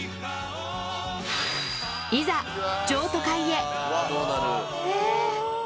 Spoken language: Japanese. いざ、譲渡会へ。